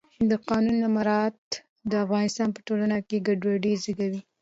د قانون نه مراعت د افغانستان په ټولنه کې ګډوډي زیږوي